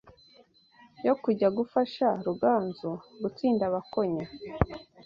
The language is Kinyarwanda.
yo kujya gufasha Ruganzu gutsinda Abakonya